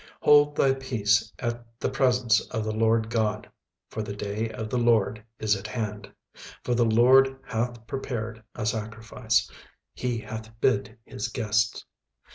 36:001:007 Hold thy peace at the presence of the Lord GOD: for the day of the LORD is at hand: for the LORD hath prepared a sacrifice, he hath bid his guests.